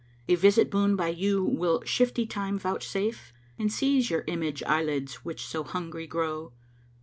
A visit boon by you will shifty Time vouchsafe? * And seize your image eye lids which so hungry grow?